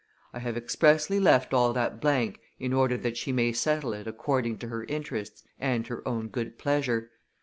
"I have expressly left all that blank in order that she may settle it according to her interests and her own good pleasure.